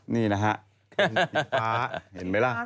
นี่นะฮะเป็นอีกฟ้าเห็นไหมล่ะ